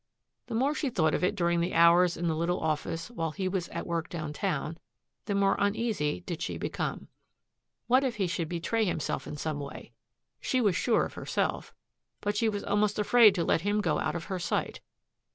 The more she thought of it during the hours in the little office while he was at work downtown, the more uneasy did she become. What if he should betray himself in some way? She was sure of herself. But she was almost afraid to let him go out of her sight.